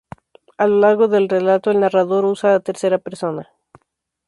A lo largo del relato el narrador usa la tercera persona.